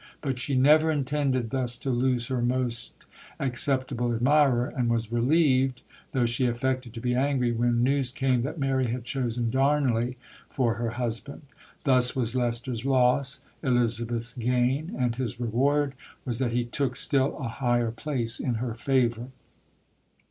But she never intended thus to lose her most acceptable admirer, and was relieved though she affected to be angry when news came that Mary had chosen Darnley for her husband. Thus was Leicester's loss Elizabeth's gain; and his reward was that he took still a higher place in her favour.